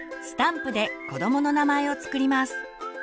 スタンプで子どもの名前を作ります。